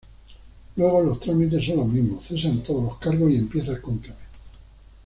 Luego, los trámites son los mismos: cesan todos los cargos y empieza el cónclave.